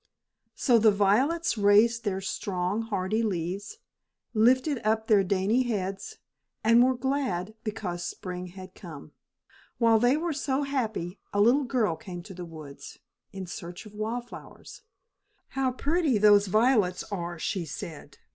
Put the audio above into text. So the violets raised their strong, hardy leaves, lifted up their dainty heads, and were glad because spring had come. While they were so happy, a little girl came to the woods in search of wild flowers. "How pretty those violets are," she said.